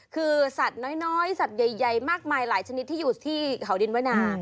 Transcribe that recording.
คือสัตว์น้อยสัตว์ใหญ่มากมายหลายชนิดที่อยู่ที่เขาดินวนา